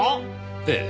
ええ。